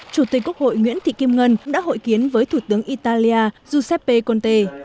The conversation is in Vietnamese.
chủ tịch quốc hội nguyễn thị kim ngân đã hội kiến với thủ tướng italia giuseppe conte